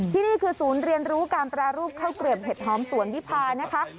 ที่นี่คือศูนย์เรียนรู้การแปรรูปข้าวเกลียบเห็ดหอมสวนวิพานะคะ